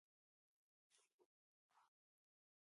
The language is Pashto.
مشتریان به د سمارټ اپلیکیشنونو له لارې اړیکه نیسي.